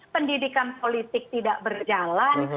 pendidikan politik tidak berjalan